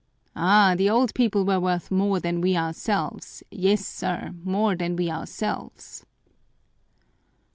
Ah, the old people were worth more than we ourselves, yes, sir, more than we ourselves!'